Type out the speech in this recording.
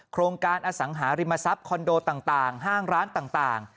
โครงการอสังหาริมทรัพย์คอนโดต่างห้างร้านต่าง